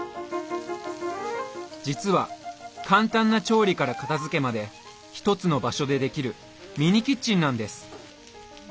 実は簡単な調理から片づけまで一つの場所でできるミニキッチンなんです。